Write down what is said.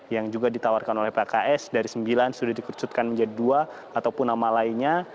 yang juga ditawarkan oleh pks dari sembilan sudah dikecutkan menjadi dua ataupun nama lainnya